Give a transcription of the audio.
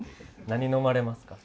何飲まれますか？